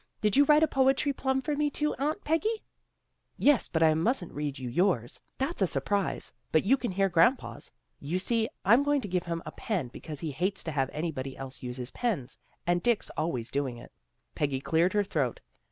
Did you write a poetry plum for me, too, Aunt Peggy? "' Yes, but I mustn't read you yours. That's a surprise, but you can hear grandpa's. You see, I'm going to give him a pen because he hates to have anybody else use his pens, and Dick's always doing it." Peggy cleared her throat.